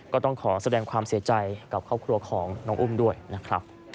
ก็ต้องขอแสดงความเสียใจกับครอบครัวของน้องอุ้มด้วยนะครับ